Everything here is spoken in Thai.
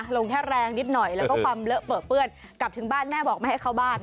ลงแค่แรงนิดหน่อยแล้วก็ความเลอะเปลือเปื้อนกลับถึงบ้านแม่บอกไม่ให้เข้าบ้าน